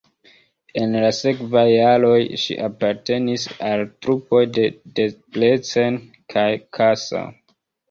En la sekvaj jaroj ŝi apartenis al trupoj de Debrecen kaj Kassa.